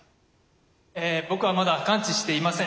僕はまだ完治していません。